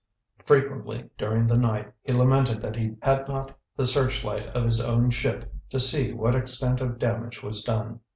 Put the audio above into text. Frequently during the night he lamented that he had not the searchlight of his own ship to see what extent of damage was done.